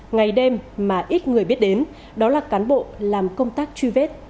ngày đêm mà ít người biết đến đó là cán bộ làm công tác truy vết